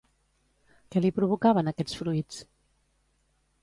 Què li provocaven aquests fruits?